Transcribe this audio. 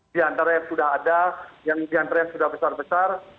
di antara yang sudah ada yang di antara yang sudah besar besar